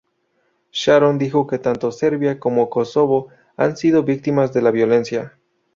Sharon dijo que tanto Serbia como Kosovo han sido víctimas de la violencia.